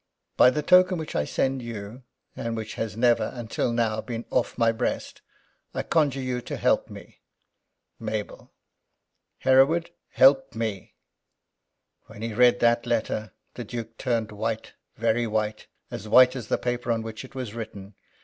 "By the token which I send you, and which has never, until now, been off my breast, I conjure you to help me. MABEL. "Hereward help me!" When he read that letter the Duke turned white very white, as white as the paper on which it was written.